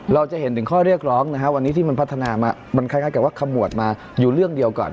เราจะเห็นถึงข้อเรียกร้องนะฮะวันนี้ที่มันพัฒนามามันคล้ายกับว่าขมวดมาอยู่เรื่องเดียวก่อน